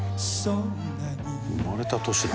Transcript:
「生まれた年だ」